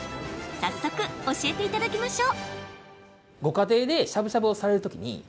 早速、教えていただきましょう。